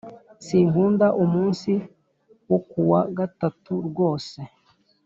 Sinkunda umunsi wo kuwa gatatu rwose